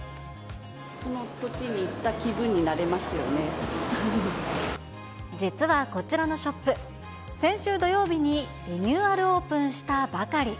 その土地に行った気分になれ実はこちらのショップ、先週土曜日にリニューアルオープンしたばかり。